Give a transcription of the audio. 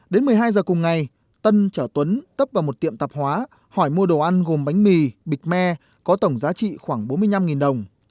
đến một mươi hai giờ cùng ngày tân chở tuấn tấp vào một tiệm tạp hóa hỏi mua đồ ăn gồm bánh mì bịch me có tổng giá trị khoảng bốn mươi năm đồng